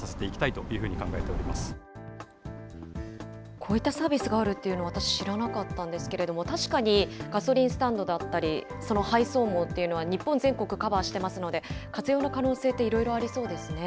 こういったサービスがあるっていうのは私、知らなかったんですけれども、確かにガソリンスタンドだったり、その配送網っていうのは、日本全国カバーしてますので、活用の可能性っていろいろありそうですね。